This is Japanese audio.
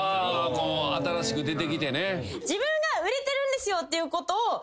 新しく出てきてね。